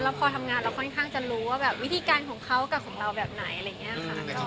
พอทำงานเราค่อนข้างจะรู้ว่าแบบวิธีการของเขากับของเราแบบไหนอะไรอย่างนี้ค่ะ